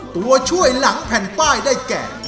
ตัวช่วยหลังแผ่นป้ายได้แก่